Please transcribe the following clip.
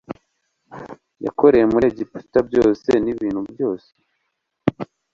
yakoreye muri egiputa byose n ibintu byose